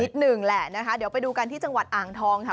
หนึ่งแหละนะคะเดี๋ยวไปดูกันที่จังหวัดอ่างทองค่ะ